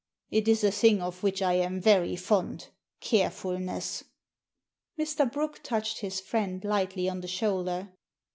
It is a thing of which I am very fond — carefulness." Mr. Brooke touched his friend lightly on the shoulder.